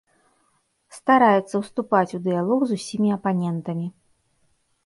Стараецца ўступаць у дыялог з усімі апанентамі.